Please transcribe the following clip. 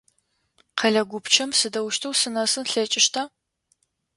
Къэлэ гупчэм сыдэущтэу сынэсын слъэкӏыщта?